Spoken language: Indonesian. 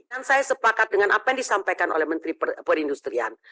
dan saya sepakat dengan apa yang disampaikan oleh menteri perindustrian